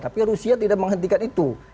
tapi rusia tidak menghentikan itu